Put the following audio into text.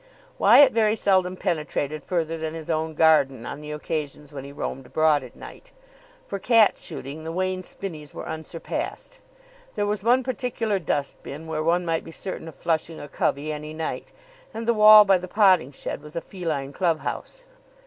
Wyatt very seldom penetrated further than his own garden on the occasions when he roamed abroad at night. For cat shooting the Wain spinneys were unsurpassed. There was one particular dustbin where one might be certain of flushing a covey any night; and the wall by the potting shed was a feline club house.